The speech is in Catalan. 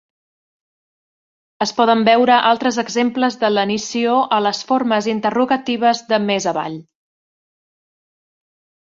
Es poden veure altres exemples de lenició a les formes interrogatives de més avall.